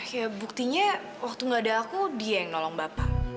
ya buktinya waktu gak ada aku dia yang nolong bapak